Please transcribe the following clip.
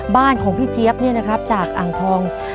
บ้านของพี่เจี๊ยบเนี่ยนะครับจากอ่างทอง